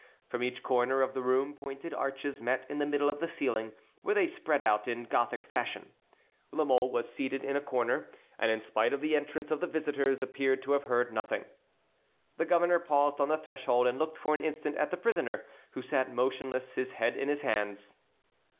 From each corner of the room pointed arches met in the middle of the ceiling, where they spread out in Gothic fashion. La Mole was seated in a corner, and, in spite of the entrance of the visitors, appeared to have heard nothing. The governor paused on the threshold and looked for an instant at the prisoner, who sat motionless, his head in his hands.